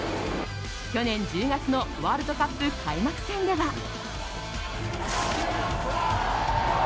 去年１０月のワールドカップ開幕戦では。